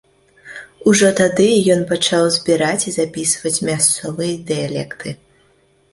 Ужо тады ён пачаў збіраць і запісваць мясцовыя дыялекты.